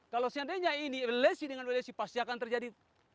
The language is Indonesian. kalau seandainya ini velesi dengan velesi pasti akan terjadi